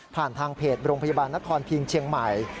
ทางเพจโรงพยาบาลนครพิงเชียงใหม่